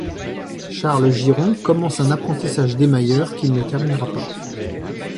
Charles Giron commence un apprentissage d'émailleur qu'il ne terminera pas.